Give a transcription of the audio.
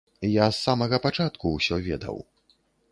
Я з самага пачатку ўсё ведаў.